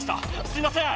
すいません。